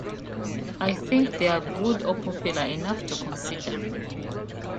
I think they're good or popular enough to consider